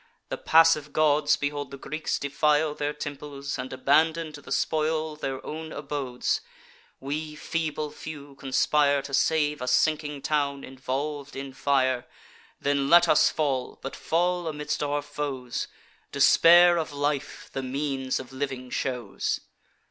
The passive gods behold the Greeks defile Their temples, and abandon to the spoil Their own abodes: we, feeble few, conspire To save a sinking town, involv'd in fire. Then let us fall, but fall amidst our foes: Despair of life the means of living shows.